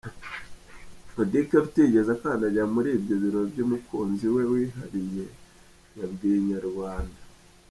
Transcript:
Auddy Kelly utigeze akandagira muri ibyo birori by’umukunzi we wihariye, yabwiye inyarwanda.